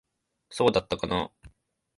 そうだったかなあ。